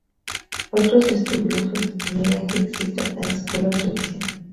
Otros estudiosos niegan que exista tal escuela o tradición.